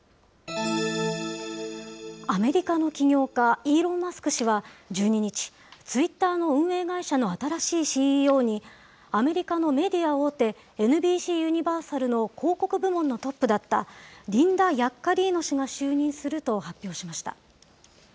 アメリカの起業家、イーロン・マスク氏は１２日、ツイッターの運営会社の新しいＣＥＯに、アメリカのメディア王手、ＮＢＣユニバーサルの広告部門のトップだったリンダ・ヤッカリーノ氏が就任すると発表しました。